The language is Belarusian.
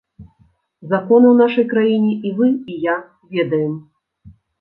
Законы ў нашай краіне і вы, і я ведаем.